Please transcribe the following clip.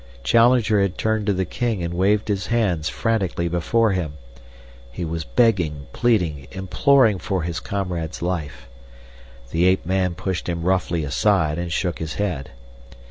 Challenger had turned to the king and waved his hands frantically before him. He was begging, pleading, imploring for his comrade's life. The ape man pushed him roughly aside and shook his head.